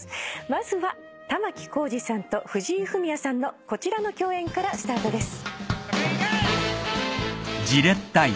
まずは玉置浩二さんと藤井フミヤさんのこちらの共演からスタートです。